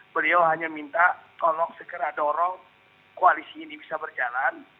beliau hanya minta tolong segera dorong koalisi ini bisa berjalan